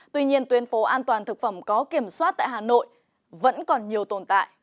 tuy nhiên tuyến phố an toàn thực phẩm có kiểm soát tại hà nội vẫn còn nhiều tồn tại